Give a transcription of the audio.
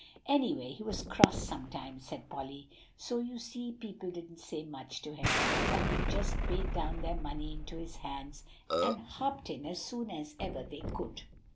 "Anyway, he was cross sometimes," said Polly; "so, you see, people didn't say much to him; but they just paid down their money into his hands, and hopped in as soon as ever they could."